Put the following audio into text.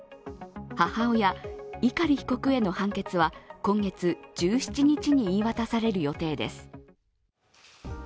母親・碇被告への判決は今月１７日に言い渡される予定です。